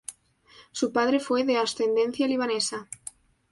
Su padre fue de ascendencia libanesa.